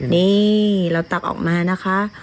นี่เราตักออกมานะคะ